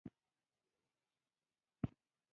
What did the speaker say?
درد مو کله کمیږي؟